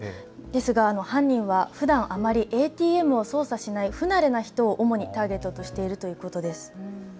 ですが犯人はふだんあまりＡＴＭを操作しない不慣れな人を主にターゲットとしているということです。